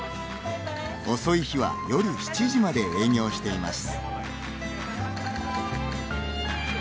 遅い日は夜７時まで営業しています。